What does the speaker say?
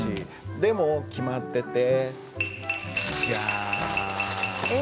でも決まっててジャン。